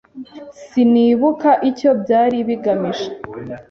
Sinibuka icyo byari bigamije.